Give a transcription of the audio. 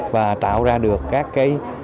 và tạo ra được các cái